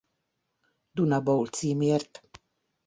Duna Bowl címért.